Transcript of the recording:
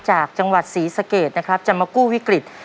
จากจังหวัดศรีสะเกดนะครับจะมากู้วิกฤต